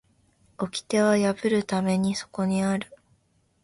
掟は破るためにそこにある